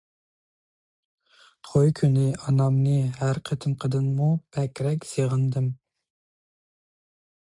توي كۈنى ئانامنى ھەر قېتىمقىدىنمۇ بەكرەك سېغىندىم.